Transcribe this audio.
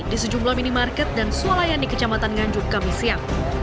di sejumlah minimarket dan sualayan di kecamatan nganjuk kamisiam